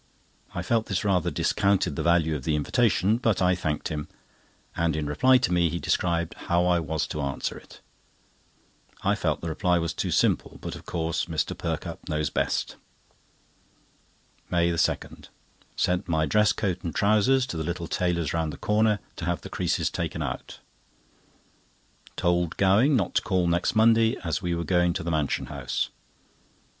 I felt this rather discounted the value of the invitation, but I thanked him; and in reply to me, he described how I was to answer it. I felt the reply was too simple; but of course Mr. Perkupp knows best. MAY 2.—Sent my dress coat and trousers to the little tailor's round the corner, to have the creases taken out. Told Gowing not to call next Monday, as we were going to the Mansion House.